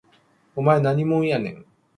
お前何もんやねん